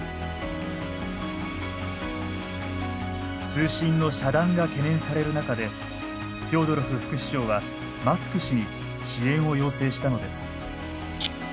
通信の遮断が懸念される中でフョードロフ副首相はマスク氏に支援を要請したのです。